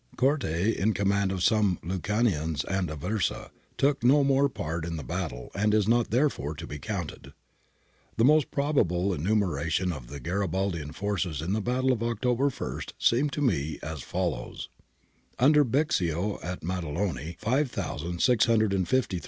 (Corte, in command of some Lucanians at Aversa, took no more part in the battle and is not therefore to be counted.) The most probable enumeration of the Garibaldian forces in the battle of October i seems to me as follows :— Under Bixio at Maddaloni Bronzctti at Castel Morrone Sacchi at S.